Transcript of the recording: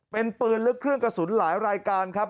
เป็นปืนและเครื่องกระสุนหลายรายการครับ